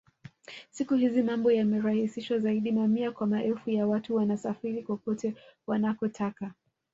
Siku hizi mambo yamerahisishwa zaidi mamia kwa maelfu ya watu wanasafiri kokote wanakotaka